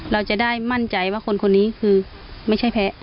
เราจะได้มั่นใจว่าคนคนนี้คือไม่ใช่แพ้